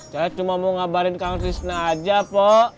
saya cuma mau ngabarin kang trisna aja pok